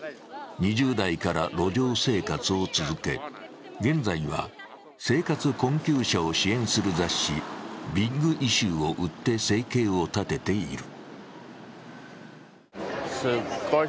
２０代から路上生活を続け、現在は生活困窮者を支援する雑誌「ビッグイシュー」を売って生計を立てている。